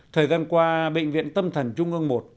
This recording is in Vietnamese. thời gian qua bệnh viện tâm thần trung ương i